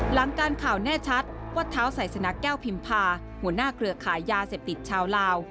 หลังการข่าวแน่ชัดว่าเท้าไซสนะแก้วพิมพาหัวหน้าเครือขายยาเสพติดชาวลาว